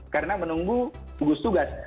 karena menunggu tugas tugas